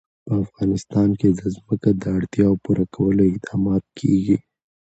په افغانستان کې د ځمکه د اړتیاوو پوره کولو اقدامات کېږي.